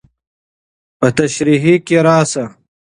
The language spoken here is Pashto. په تشريحي کې راشي.